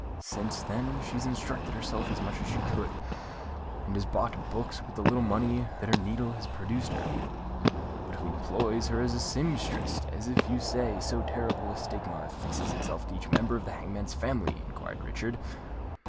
Since then she's instructed herself as much as she could, and has bought books with the little money that her needle has produced her." "But who employs her as a sempstress, if, as you say, so terrible a stigma affixes itself to each member of the hangman's family?" inquired Richard.